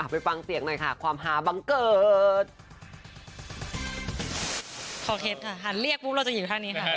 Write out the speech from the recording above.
ไปฟังเสียงหน่อยค่ะความหาบังเกิด